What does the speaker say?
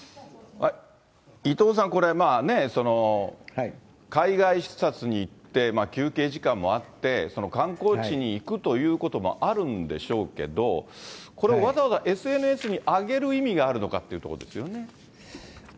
伊藤さん、これまあね、海外視察に行って、休憩時間もあって、観光地に行くということもあるんでしょうけど、これ、わざわざＳＮＳにあげる必要があるのかというところですよね。